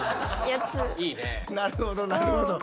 なるほどなるほど。